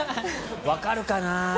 わかるかな？